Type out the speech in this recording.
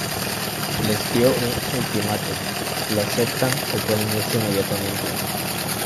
Les dio un ultimatum: lo aceptan o pueden irse inmediatamente.